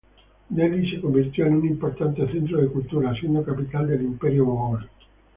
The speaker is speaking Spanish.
Delhi se convirtió en un importante centro de cultura, siendo capital del Imperio mogol.